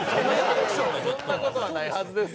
そんな事はないはずです。